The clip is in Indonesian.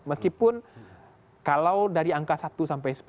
meskipun kalau dari angka satu sampai sepuluh